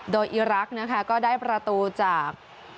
โดยอีรักษ์นะคะก็ได้ประตูจาก